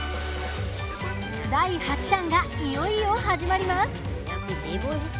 第８弾がいよいよ始まります。